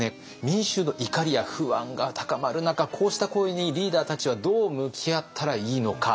民衆の怒りや不安が高まる中こうした声にリーダーたちはどう向き合ったらいいのか